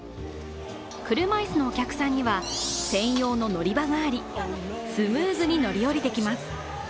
車椅子のお客さんには専用の乗り場があり、スムーズに乗り降りできます。